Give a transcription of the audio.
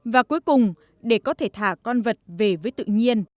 và cuối cùng để có thể thả con vật về với tự nhiên